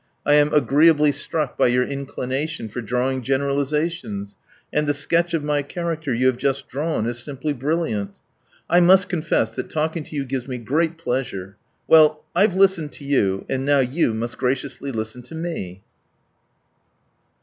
"I am agreeably struck by your inclination for drawing generalizations, and the sketch of my character you have just drawn is simply brilliant. I must confess that talking to you gives me great pleasure. Well, I've listened to you, and now you must graciously listen to me."